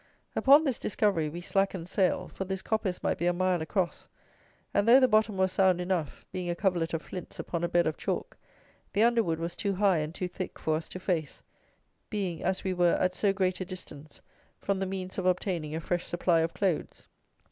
Upon this discovery we slackened sail; for this coppice might be a mile across; and though the bottom was sound enough, being a coverlet of flints upon a bed of chalk, the underwood was too high and too thick for us to face, being, as we were, at so great a distance from the means of obtaining a fresh supply of clothes.